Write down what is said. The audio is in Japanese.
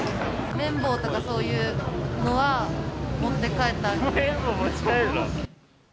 綿棒とか、そういうのは持っ綿棒、持ち帰るの？